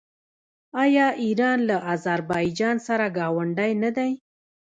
آیا ایران له اذربایجان سره ګاونډی نه دی؟